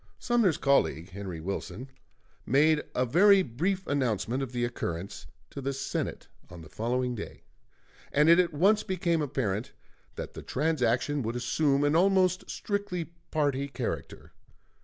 Sumner's colleague, Henry Wilson, made a very brief announcement of the occurrence to the Senate on the following day, and it at once became apparent that the transaction would assume an almost strictly party character.